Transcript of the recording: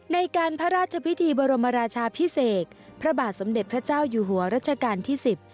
ในการพระราชพิธีบรมราชาพิเศษพระบาทสมเด็จพระเจ้าอยู่หัวรัชกาลที่สิบ